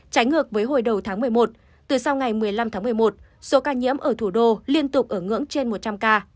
trái ngược với hồi đầu tháng một mươi một từ sau ngày một mươi năm tháng một mươi một số ca nhiễm ở thủ đô liên tục ở ngưỡng trên một trăm linh ca